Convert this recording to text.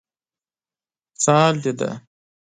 څه حال دې دی؟